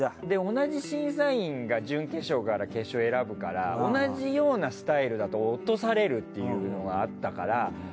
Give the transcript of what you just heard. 同じ審査員が準決勝から決勝選ぶから同じようなスタイルだと落とされるっていうのがあったからと思って。